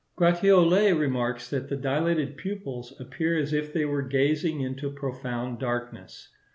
Gratiolet remarks that the dilated pupils appear as if they were gazing into profound darkness.